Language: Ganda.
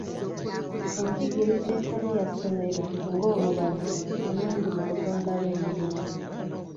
Enjigiriza etali ya ssomero nga obubazzi nnungi mu kutondawo emirimu.